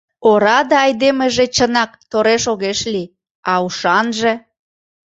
Ораде айдемыже чынак тореш огеш лий, а ушанже...